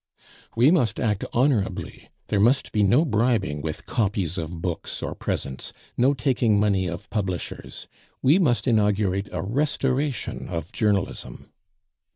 "We must act honorably; there must be no bribing with copies of books or presents; no taking money of publishers. We must inaugurate a Restoration of Journalism."